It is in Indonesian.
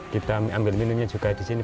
kita ambil minumnya juga disini